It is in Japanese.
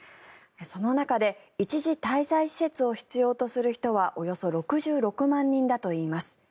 その中で一時滞在施設を必要とする人はおよそ６６万人だといいます。